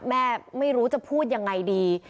ไม่รู้จะพูดยังไงดี